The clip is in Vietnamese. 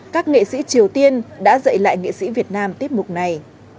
các nghệ sĩ triều tiên đã dạy lại nghệ sĩ việt nam tiết mục này